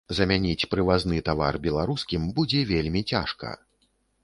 Замяніць прывазны тавар беларускім будзе вельмі цяжка.